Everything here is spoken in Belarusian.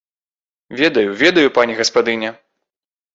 Ведаю, ведаю, пані гаспадыня!